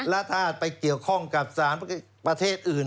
แล้วถ้าไปเกี่ยวข้องกับสถานบริการประเภทอื่น